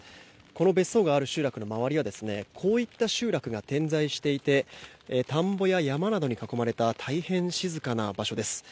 この別荘がある集落の周りにはこういった集落が点在していて田んぼや山などに囲まれた大変、静かな場所です。